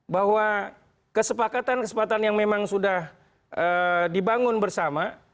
bahwa kesepakatan kesepakatan yang memang sudah dibangun bersama